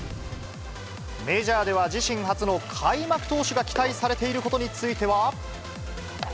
メジャーでは自身初の開幕投手が期待されていることについては。